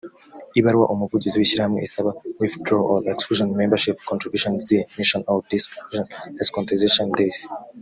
ibaruwa umuvugizi w ishyirahamwe isaba withdrawal or exclusion membership contributions d mission ou d exclusion les cotisations des